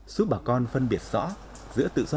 giúp bà con phân biệt rõ giữa từng đối tượng